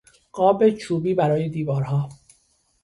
قاب چوبی برای دیوارها